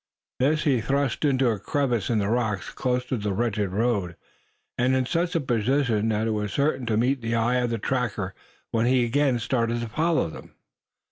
This he thrust into a crevice in the rocks close to the wretched road, and in such a position that it was certain to meet the eye of the tracker when he again started to follow them.